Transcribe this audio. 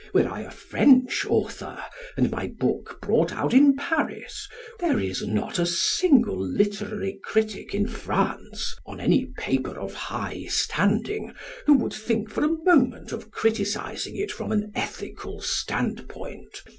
Were I a French author, and my book brought out in Paris, there is not a single literary critic in France on any paper of high standing who would think for a moment of criticising it from an ethical standpoint.